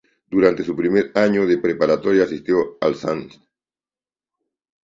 Durante su primer año de preparatoria asistió al St.